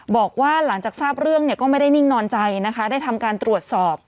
บอกว่าหลังจากทราบเรื่องเนี่ยก็ไม่ได้นิ่งนอนใจนะคะได้ทำการตรวจสอบ